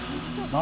何？